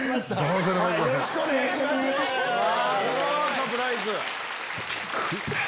サプライズ！